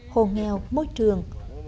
hồ nghèo môi trường